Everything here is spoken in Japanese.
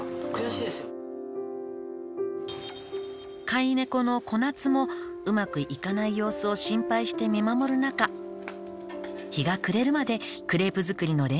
「飼い猫のこなつもうまくいかない様子を心配して見守る中日が暮れるまでクレープ作りの練習に明け暮れたわ」